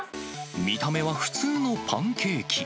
見た目は普通のパンケーキ。